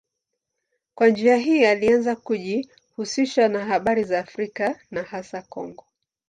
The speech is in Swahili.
Kwa njia hii alianza kujihusisha na habari za Afrika na hasa Kongo.